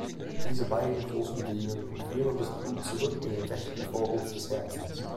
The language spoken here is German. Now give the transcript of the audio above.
Diese beiden großen Venen führen das Blut zurück in den rechten Vorhof des Herzens.